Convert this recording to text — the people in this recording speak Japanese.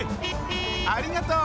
ありがとう！